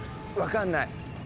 分かんない。